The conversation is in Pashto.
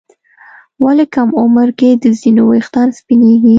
ولې کم عمر کې د ځینو ويښتان سپینېږي؟